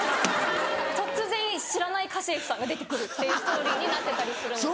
突然知らない家政婦さんが出て来るっていうストーリーになってたりするので。